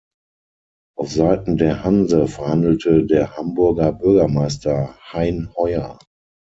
Auf Seiten der Hanse verhandelte der Hamburger Bürgermeister Hein Hoyer.